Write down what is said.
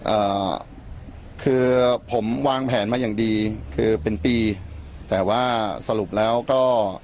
เอ่อคือผมวางแผนมาอย่างดีคือเป็นปีแต่ว่าสรุปแล้วก็